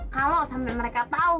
kalau sampai mereka tau